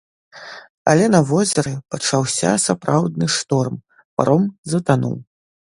Але на возеры пачаўся сапраўдны шторм, паром затануў.